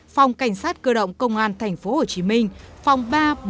phòng cảnh sát cơ động công an tp hcm phòng ba bốn năm bảy